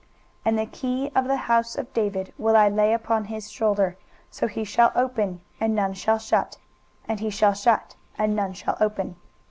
23:022:022 And the key of the house of David will I lay upon his shoulder; so he shall open, and none shall shut; and he shall shut, and none shall open.